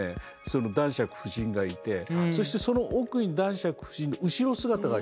男爵夫人がいてそしてその奥に男爵夫人の後ろ姿がありますよね。